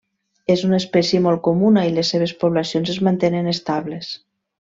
És una espècie molt comuna i les seves poblacions es mantenen estables.